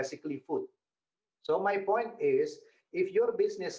jika ekonomi peringkat tidak dapat